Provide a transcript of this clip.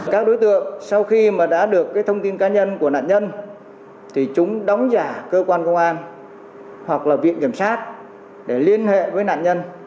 các đối tượng sau khi mà đã được thông tin cá nhân của nạn nhân thì chúng đóng giả cơ quan công an hoặc là viện kiểm sát để liên hệ với nạn nhân